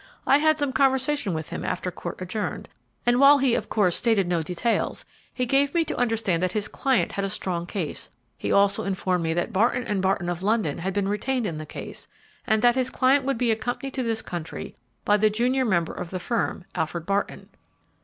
I had some conversation with him after court adjourned, and while he, of course, stated no details, he gave me to understand that his client had a strong case. He also informed me that Barton & Barton, of London, had been retained in the case, and that his client would be accompanied to this country by the junior member of the firm, Alfred Barton."